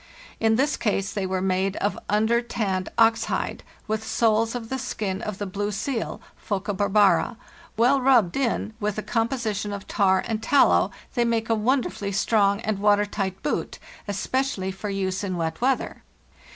In this case they were made of under tanned ox hide, with soles of the skin of the blue seal (Phoca barbara); well rubbed in with a composition of tar and tallow, they make a wonder fully strong and water tight boot, especially for use in wet weather.